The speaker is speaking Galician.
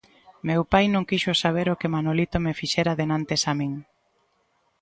Meu pai non quixo saber o que Manolito me fixera denantes a min.